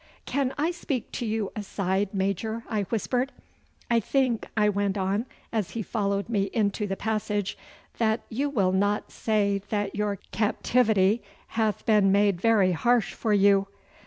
'Can I speak to you aside, Major?' I whispered. 'I think,' I went on, as he followed me into the passage, 'that you will not say that your captivity hath been made very harsh for you.